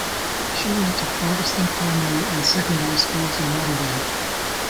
She went to Protestant primary and secondary schools in Rotterdam.